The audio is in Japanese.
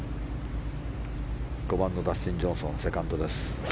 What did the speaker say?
５番のダスティン・ジョンソンセカンドです。